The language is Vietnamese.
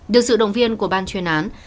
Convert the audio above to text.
được sự động viên của ban chuyên án